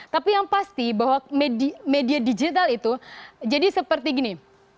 tapi yang pasti bahwa media digital itu jadi seperti gini